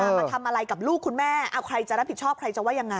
มาทำอะไรกับลูกคุณแม่เอาใครจะรับผิดชอบใครจะว่ายังไง